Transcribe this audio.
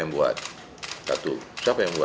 iya ya sms itu siapa yang buat